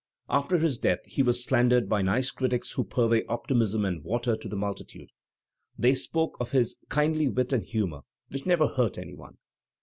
After his death he was slandered by nice critics who purvey optimism and water to the multitude; they spoke of his ^'kindly wit and humour which never hurt any one.